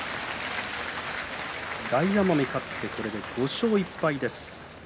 大奄美勝ってこれで５勝１敗です。